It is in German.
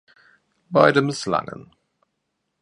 Beide misslangen.